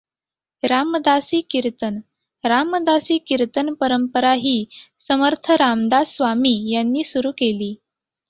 रामदासी कीर्तन रामदासी कीर्तन परंपरा ही समर्थ रामदास स्वामी यांनी सुरू केली.